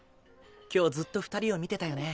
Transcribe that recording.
今日ずっと二人を見てたよね